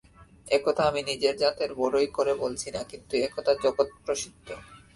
এ-কথা আমি নিজের জাতের বড়াই করে বলছি না, কিন্তু এ-কথা জগৎপ্রসিদ্ধ।